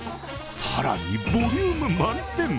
更に、ボリューム満点。